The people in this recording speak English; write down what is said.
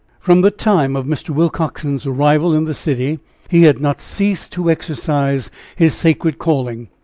From the time of Mr. Willcoxen's arrival in the city, he had not ceased to exercise his sacred calling.